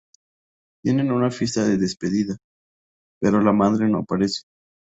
Tienen una fiesta de despedida, pero la madre no aparece.